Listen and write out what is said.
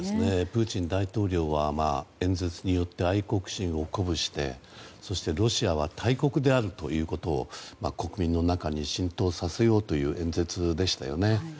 プーチン大統領は演説によって愛国心を鼓舞してそして、ロシアは大国であるということを国民の中に浸透させようという演説でしたよね。